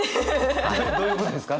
どういうことですか？